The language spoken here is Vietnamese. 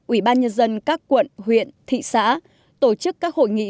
ủy ban nhân dân các quận huyện thị xã tổ chức các hội nghị